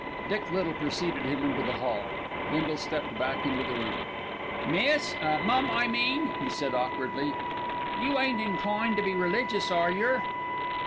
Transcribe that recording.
Dick Little preceded him into the hall. Bindle stepped back into the room. "Miss mum, I mean," he said awkwardly, "you ain't inclined to be religious, are yer?"